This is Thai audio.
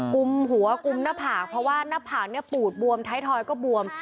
กลุ่มหัวกุมหน้าผากเพราะว่าหน้าผากปูดบวมท้ายทอยก็บวม